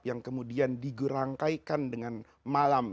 yang kemudian digerangkaikan dengan malam